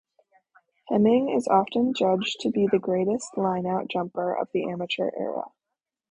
Heming is often judged to be the greatest lineout jumper of the amateur era.